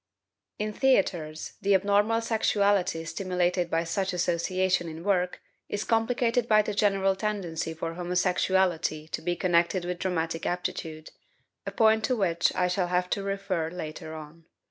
In theaters the abnormal sexuality stimulated by such association in work is complicated by the general tendency for homosexuality to be connected with dramatic aptitude, a point to which I shall have to refer later on.